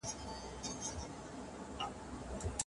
ایا تاسو پوهېږئ چې د سمندرونو ککړتیا څومره زیانمنه ده؟